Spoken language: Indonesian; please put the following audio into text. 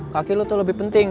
kaki lu tuh lebih penting